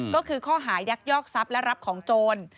ก็คือข้อหายักยอกทรัพย์และรับของโจร